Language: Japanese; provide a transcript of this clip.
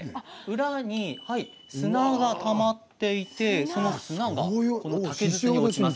裏に砂がたまっていて砂が竹筒に落ちます。